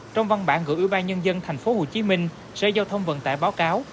trong văn bản gửi ủy ban nhân dân tp hcm sở giao thông vận tải báo cáo